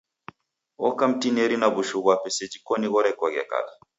Oka mtineri na wushu ghwape seji koni ghorekoghe kala.